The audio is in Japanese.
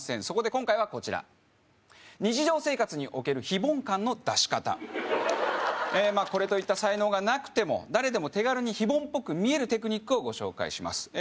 そこで今回はこちら日常生活における非凡感の出し方まあこれといった才能がなくても誰でも手軽に非凡っぽく見えるテクニックをご紹介します